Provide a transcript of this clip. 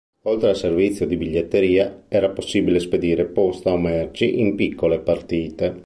Oltre al servizio di biglietteria era possibile spedire posta o merci in piccole partite.